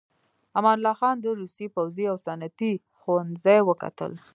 امان الله خان د روسيې پوځي او صنعتي ښوونځي وکتل.